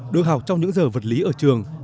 đối học trong những giờ vật lý ở trường